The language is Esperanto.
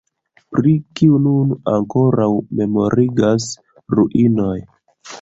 Pri kiu nun ankoraŭ memorigas ruinoj.